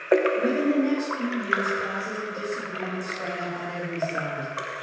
Within the next few years causes of disagreement sprang up on every side.